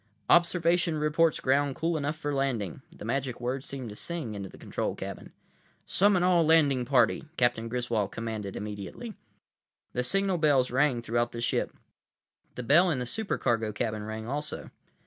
"Observation reports ground cool enough for landing!" The magic words seemed to sing into the control cabin. "Summon all landing party," Captain Griswold commanded immediately. The signal bells rang throughout the ship. The bell in the supercargo cabin rang also.